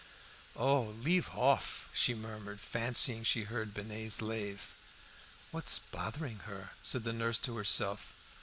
"Oh, leave off!" she murmured, fancying she heard Binet's lathe. "What's bothering her?" said the nurse to herself.